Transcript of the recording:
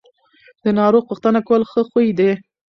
د ناروغ پوښتنه کول ښه خوی دی.